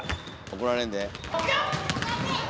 怒られんで。